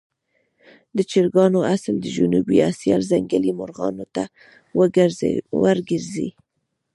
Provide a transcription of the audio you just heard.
د چرګانو اصل د جنوبي آسیا ځنګلي مرغانو ته ورګرځي.